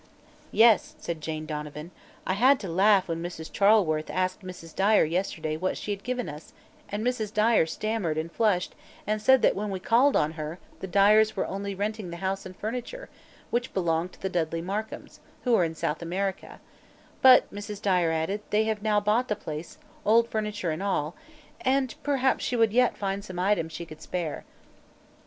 "Yes," said Jane Donovan, "I had to laugh when Mrs. Charleworth asked Mrs. Dyer yesterday what she had given us, and Mrs. Dyer stammered and flushed and said that when we called on her the Dyers were only renting the house and furniture, which belonged to the Dudley Markhams, who are in South America; but, Mrs. Dyer added, they have now bought the place old furniture and all and perhaps she would yet find some items she can spare."